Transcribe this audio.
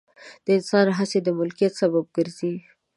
د انسان هڅې د مالکیت سبب ګرځي.